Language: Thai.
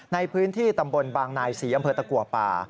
ในพื้นที่ตำบลบางนายศรีอำเภอตะกัวป่า